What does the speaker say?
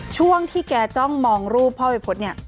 ช่วงที่แกจ้องมองรูปพ่อวัยพฤษเนี่ย